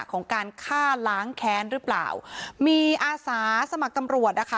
ของการฆ่าล้างแค้นหรือเปล่ามีอาสาสมัครตำรวจนะคะ